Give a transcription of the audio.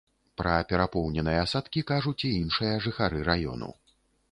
Пра перапоўненыя садкі кажуць і іншыя жыхары раёну.